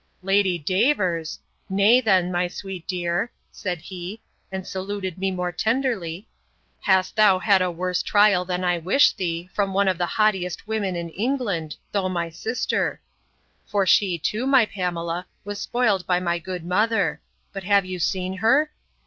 —Lady Davers! Nay, then, my sweet dear, said he, and saluted me more tenderly, hast thou had a worse trial than I wish thee, from one of the haughtiest women in England, though my sister!—For, she too, my Pamela, was spoiled by my good mother!—But have you seen her?